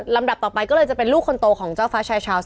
ดับต่อไปก็เลยจะเป็นลูกคนโตของเจ้าฟ้าชายชาวส